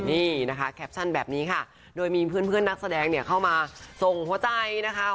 นี่นะคะแคปชั่นแบบนี้ค่ะโดยมีเพื่อนนักแสดงเนี่ยเข้ามาส่งหัวใจนะคะ